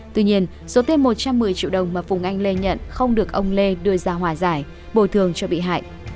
tuy nhiên số thêm một trăm một mươi triệu đồng mà phùng anh lê nhận không được ông lê đưa ra hòa giải bồi thường cho bị hại